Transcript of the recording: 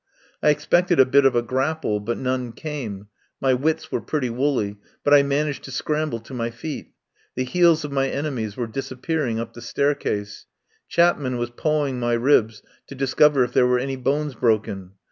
I expected a bit of a grapple, but none came. My wits were pretty woolly, but I I5i THE POWER HOUSE managed to scramble to my feet. The heels of my enemies were disappearing up the staircase. Chapman was pawing my ribs to discover if there were any bones broken.